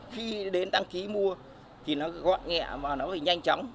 khi đến đăng ký mua thì nó gọn nghẹ và nó phải nhanh chóng